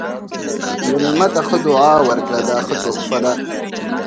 مېلمه ته ښه دعا ورکړه، دا ښه تحفه ده.